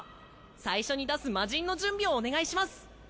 最初に出すマジンの準備をお願いします！